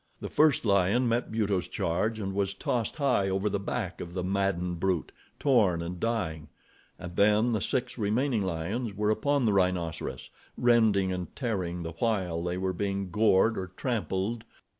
The first lion met Buto's charge and was tossed high over the back of the maddened brute, torn and dying, and then the six remaining lions were upon the rhinoceros, rending and tearing the while they were being gored or trampled.